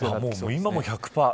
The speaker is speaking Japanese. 今も１００パー。